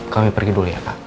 kami pergi dulu ya pak